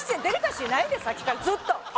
デリカシーないでさっきからずっと！